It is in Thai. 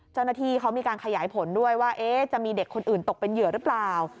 เจ้าหน้าที่เขามีการขยายผลด้วยว่าจะมีเด็กคนอื่นตกเป็นเหยื่อหรือเปล่า